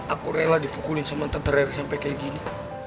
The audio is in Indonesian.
aku rela dipukulin sama tante rary sampai kayak gini